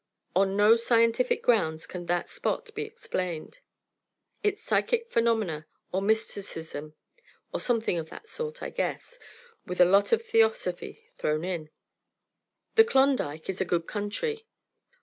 On no scientific grounds can that Spot be explained. It's psychic phenomena, or mysticism, or something of that sort, I guess, with a lot of theosophy thrown in. The Klondike is a good country.